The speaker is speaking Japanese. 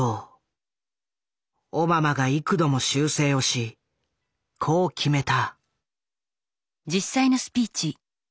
オバマが幾度も修正をしこう決めた。